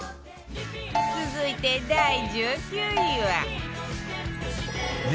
続いて第１９位は